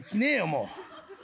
もう。